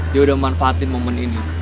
dia udah manfaatin momen ini